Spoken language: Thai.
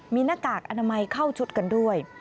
มีหน้ากากอนามัยเข้าชุดกันด้วย